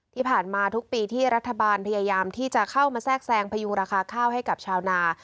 ที่ผ่านมาทุกปีที่รัฐบาลพยายามที่จะเข้ามาแทรกแซงพยุงราคาข้าวให้กับชาวนา